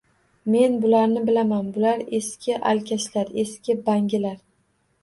Men bularni bilaman. Bular eski alkashlar, eski bangilar.